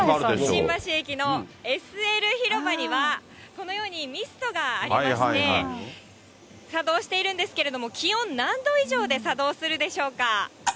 新橋駅のＳＬ広場には、このようにミストがありまして、作動しているんですけれども、気温何度以上で作動するでしょうか。